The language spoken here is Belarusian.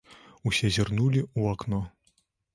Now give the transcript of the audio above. Усе зірнулі ў акно.